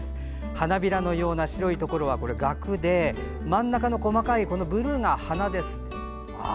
花びらのような白いところはガクで真ん中の細かいブルーが花です。